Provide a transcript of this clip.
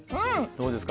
どうですか？